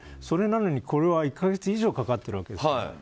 それなのに、これは１か月以上かかっているんです。